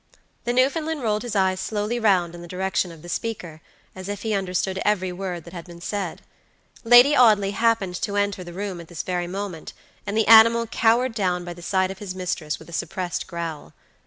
The Newfoundland rolled his eyes slowly round in the direction of the speaker, as if he understood every word that had been said. Lady Audley happened to enter the room at this very moment, and the animal cowered down by the side of his mistress with a suppressed growl.